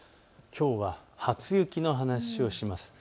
きょうは初雪の話をします。